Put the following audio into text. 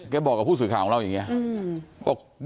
บอกกับผู้สื่อข่าวของเราอย่างนี้